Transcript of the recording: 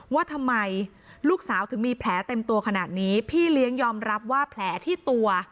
ว่าทำไมลูกสาวถึงมีแผลเต็มตัวขนาดนี้พี่เลี้ยงยอมรับว่าแผลที่ตัว